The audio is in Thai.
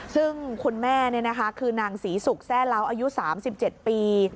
ซึ่งคุณแม่เนี่ยนะคะคือนางศรีสุกแทร่าวอายุ๓๗ปี